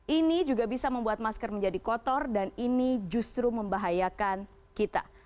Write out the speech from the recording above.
ini juga bisa membuat masker menjadi kotor dan ini justru membahayakan kita